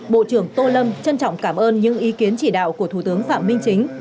bộ trưởng tô lâm trân trọng cảm ơn những ý kiến chỉ đạo của thủ tướng phạm minh chính